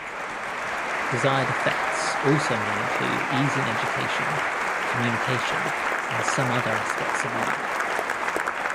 Desired effects also may include easing education, communication and some other aspects of life.